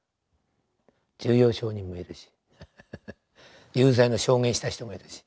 重要証人もいるし有罪の証言した人もいるし。